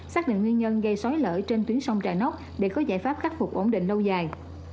xác định nguyên nhân gây xói lở trên tuyến sông trà nóc để có giải pháp khắc phục ổn định lâu dài